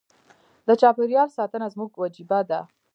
د چاپیریال ساتنه زموږ وجیبه ده.